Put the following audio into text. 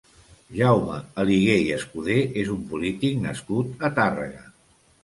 Jaume Aligué i Escudé és un polític nascut a Tàrrega.